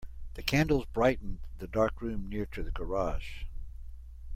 The candles brightened the dark room near to the garage.